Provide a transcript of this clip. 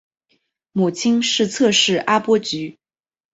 母亲是侧室阿波局。